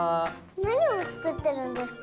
なにをつくってるんですか？